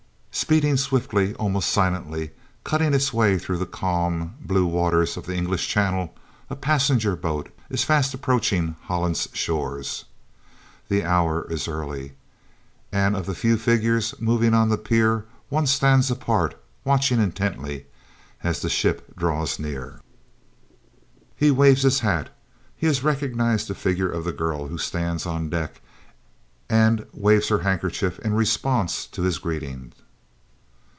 Speeding swiftly, almost silently, cutting its way through the calm, blue waters of the English Channel, a passenger boat is fast approaching Holland's shores. The hour is early, and of the few figures moving on the pier, one stands apart, watching intently, as the ship draws near. He waves his hat, he has recognised the figure of the girl who stands on deck and waves her handkerchief in response to his greeting.